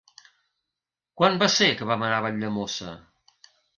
Quan va ser que vam anar a Valldemossa?